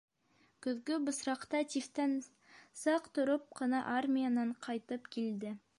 Көҙгө бысраҡта тифтән саҡ тороп ҡына армиянан ҡайтып килде.